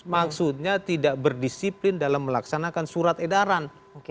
maksudnya tidak berdisiplin dalam melaksanakan surat edaran